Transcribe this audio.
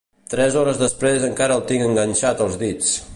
Tres hores després encara el tinc enganxat als dits.